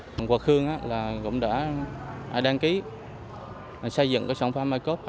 hòa khương cũng đã đăng ký xây dựng sản phẩm ocope